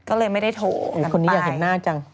ก็เลยไม่ได้โทรคนนี้อยากเห็นหน้าจัง